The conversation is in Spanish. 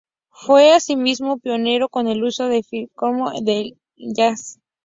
Fue, asimismo, pionero en el uso del fliscorno en el "jazz".